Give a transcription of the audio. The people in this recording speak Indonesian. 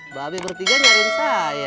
mbak beti bertiga nyariin saya